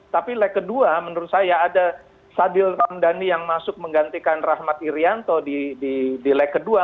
tapi lag kedua menurut saya ada sadil ramdhani yang masuk menggantikan rahmat irianto di lag kedua